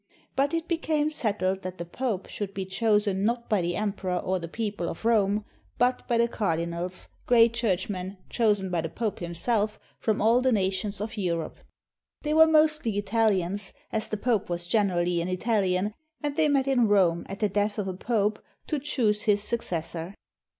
But it became settled that the Pope should be chosen not by the Emperor or the people of Rome, but by the cardinals, great churchmen chosen by the Pope himself from all the nations of Europe. They were mostly Italians, as the Pope was generally an Italian, and they met in Rome at the death of a Pope to choose his successor.